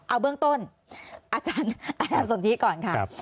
เอาเบื้องต้นอาจารย์สนทิก่อนค่ะ